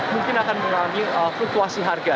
mungkin akan mengalami fluktuasi harga